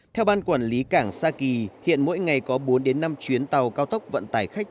theo ban quản lý cảng sa kỳ hiện mỗi ngày có bốn đến năm chuyến tàu cao tốc vận tải khách